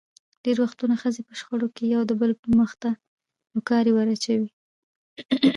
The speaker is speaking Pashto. ډېری وختونه ښځې په شخړو کې یو دبل مخ ته نوکارې ور اچوي.